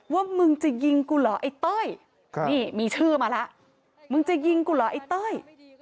มึงจะยิงกูเหรอไอ้เต้ยนี่มีชื่อมาแล้วมึงจะยิงกูเหรอไอ้เต้ย